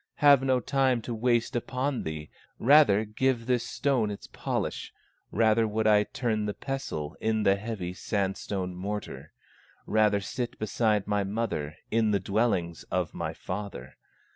Have no time to waste upon thee, Rather give this stone its polish, Rather would I turn the pestle In the heavy sandstone mortar; Rather sit beside my mother In the dwellings of my father.